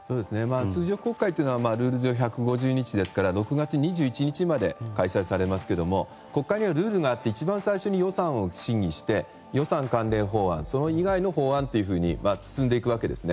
通常国会というのはルール上１５０日ですから６月２１日まで開催されますが国会にはルールがあって一番最初に予算を審議して予算関連法案それ以外の法案と進んでいくわけですね。